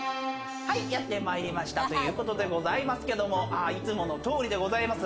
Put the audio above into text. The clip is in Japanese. はい、やって参りましたということでございますけれども、いつもの通りでございます。